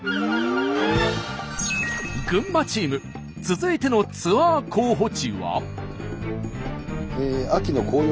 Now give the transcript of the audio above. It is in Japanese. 群馬チーム続いてのツアー候補地は。